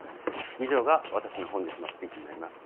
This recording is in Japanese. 以上が私の本日のスピーチになります。